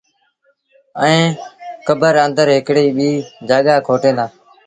ائيٚݩ ڪبر آݩدر هڪڙيٚ ٻيٚ جآڳآ کوٽين دآ